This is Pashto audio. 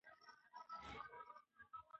هلک د انا په لور په ډېرې چټکتیا سره منډه کړه.